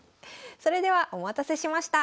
それではお待たせしました。